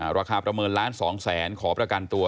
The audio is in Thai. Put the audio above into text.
ราคาประเมินล้านสองแสนขอประกันตัว